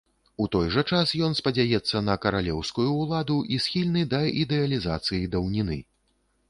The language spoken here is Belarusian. У той жа час ён спадзяецца на каралеўскую ўладу і схільны да ідэалізацыі даўніны.